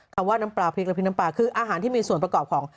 ว่าน้ำปลาพริกและพริกน้ำปลาคืออาหารที่มีส่วนประกอบของ